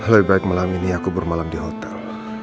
lebih baik malam ini aku bermalam di hotel